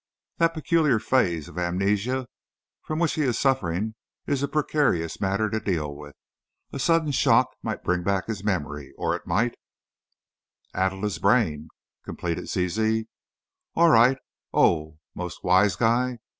That peculiar phase of amnesia from which he is suffering is a precarious matter to deal with. A sudden shock might bring back his memory, or, it might " "Addle his brain!" completed Zizi. "All right, oh, Most Wise Guy!